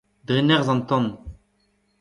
dre nerzh an tan